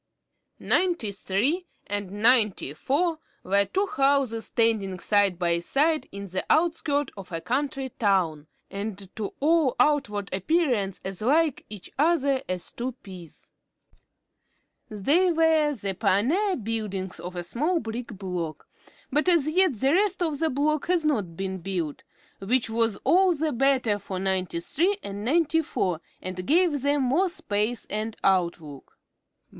Ninety three and Ninety four were two houses standing side by side in the outskirts of a country town, and to all outward appearance as like each other as two peas. They were the pioneer buildings of a small brick block; but as yet the rest of the block had not been built, which was all the better for Ninety three and Ninety four, and gave them more space and outlook.